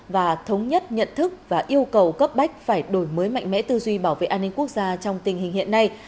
và thống nhất nhận thức và yêu cầu cấp bách phải đổi mới mạnh mẽ tư duy bảo vệ an ninh quốc gia trong tình hình hiện nay